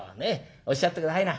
おっしゃって下さいな。